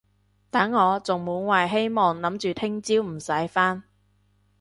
等我仲滿懷希望諗住聽朝唔使返